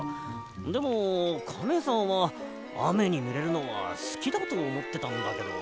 でもカメさんはあめにぬれるのはすきだとおもってたんだけど。